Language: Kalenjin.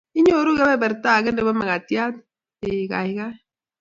'inyoruu kebeberta age nebo makatiat?'' ''eeh kaikai''